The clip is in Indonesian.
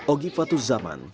ogip fatu zaman